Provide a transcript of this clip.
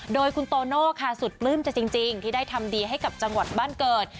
โดยคุณโตโน่ค่ะสุดปลื้มใจจริงที่ได้ทำดีให้กับจังหวัดบ้านเกิด